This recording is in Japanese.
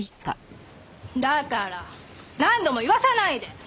だから何度も言わさないで！